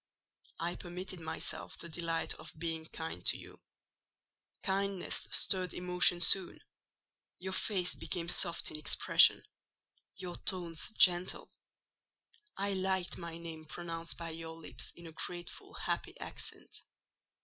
I permitted myself the delight of being kind to you; kindness stirred emotion soon: your face became soft in expression, your tones gentle; I liked my name pronounced by your lips in a grateful happy accent.